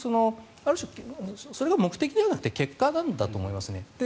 ある種、それが目的ではなくて結果なんだと思いますね。